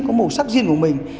có màu sắc riêng của mình